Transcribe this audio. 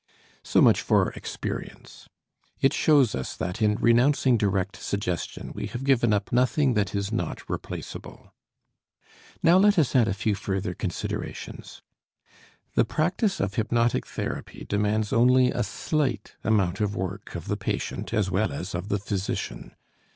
So much for experience. It shows us that in renouncing direct suggestion we have given up nothing that is not replaceable. Now let us add a few further considerations. The practice of hypnotic therapy demands only a slight amount of work of the patient as well as of the physician.